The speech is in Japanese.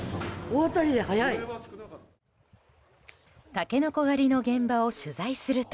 タケノコ狩りの現場を取材すると